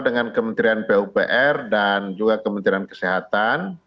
dengan kementerian pupr dan juga kementerian kesehatan